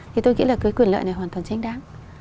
thì tôi nghĩ là cái quyền lợi này hoàn toàn tránh đáng